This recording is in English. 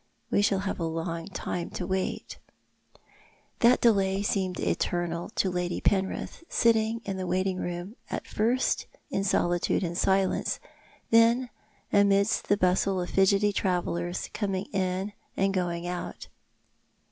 We shall have a long time to wait." That delay seemed eternal to Lady Penrith, sitting m the waiting room, at first in solitude and silence, then amidst the bustle of fidgety travellers coming in and going out.